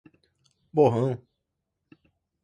borrão